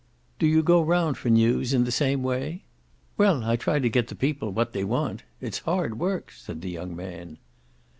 "Do you go round for news in the same way?" "Well, I try to get the people what they want. It's hard work," said the young man.